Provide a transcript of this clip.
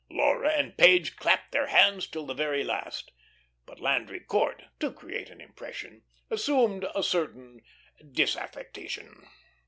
Laura and Page clapped their hands till the very last. But Landry Court, to create an impression, assumed a certain disaffection.